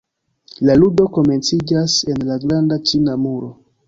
La ludo komenciĝas en la Granda Ĉina Muro.